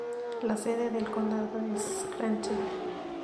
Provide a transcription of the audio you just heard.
La sede del condado es Scranton.